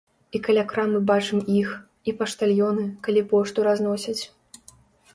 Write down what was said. І каля крамы бачым іх, і паштальёны, калі пошту разносяць.